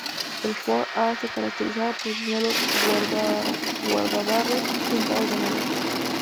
El Ford A se caracterizaba por tener los guardabarros pintados de negro.